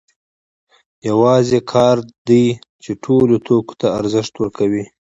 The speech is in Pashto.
یوازې کار دی چې ټولو توکو ته ارزښت ورکوي